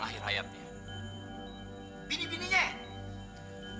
akhir hayatnya hai bini bininya kan